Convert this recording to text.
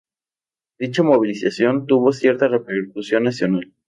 Dicha movilización tuvo cierta repercusión nacional.